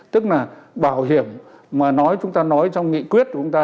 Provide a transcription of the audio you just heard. tức là bảo hiểm mà nói chúng ta nói trong nghị quyết của chúng ta